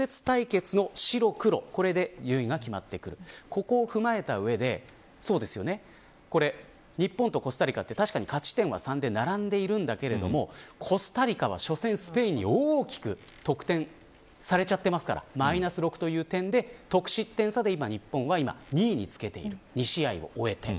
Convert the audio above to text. ここを踏まえた上で日本とコスタリカって確かに勝ち点は３で並んでいるんだけどコスタリカは、初戦スペインに大きく得点されちゃってますからマイナス６という点で得失点差で今日本は２位につけている２試合を終えて。